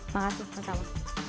makasih mas tama